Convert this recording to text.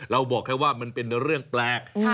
บอกแค่ว่ามันเป็นเรื่องแปลก